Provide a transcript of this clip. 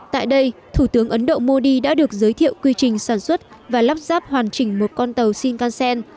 tại đây thủ tướng ấn độ modi đã được giới thiệu quy trình sản xuất và lắp ráp hoàn chỉnh một con tàu shinkansen